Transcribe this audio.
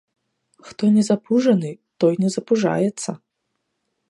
Хто не запужаны, той не запужаецца.